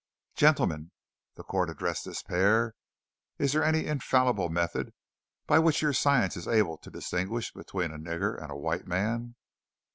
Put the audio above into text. "Gentlemen," the court addressed this pair, "is there any infallible method by which your science is able to distinguish between a nigger and a white man?"